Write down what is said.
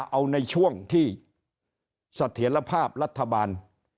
เอาในช่วงที่เสถียรภาพรัฐบาล